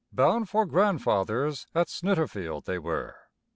Bound for Grandfather's at Snitterfield they were.